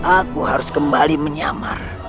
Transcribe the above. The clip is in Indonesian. aku harus kembali menyamar